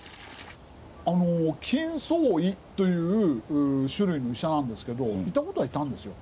金創医という種類の医者なんですけどいたことはいたんですよ。